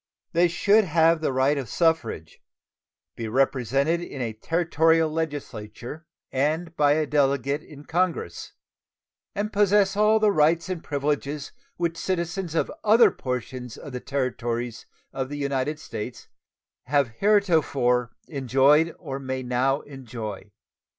They should have the right of suffrage, be represented in a Territorial legislature and by a Delegate in Congress, and possess all the rights and privileges which citizens of other portions of the territories of the United States have heretofore enjoyed or may now enjoy.